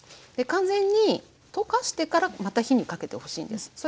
完全に溶かしてからまた火にかけてほしいんです。